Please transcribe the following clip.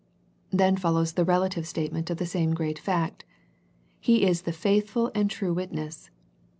Then follows the relative statement of the same great fact. " He is the faithful and true witness."